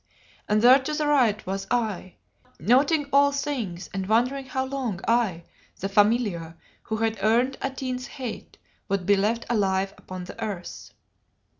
And there to the right was I, noting all things and wondering how long I, "the familiar," who had earned Atene's hate, would be left alive upon the earth.